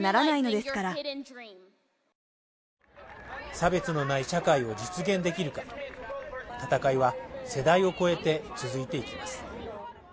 差別のない社会を実現できるか、闘いは世代を超えて続いていきます。